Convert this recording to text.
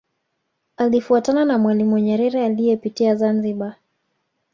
Alifuatana na Mwalimu Nyerere aliyepitia Zanzibar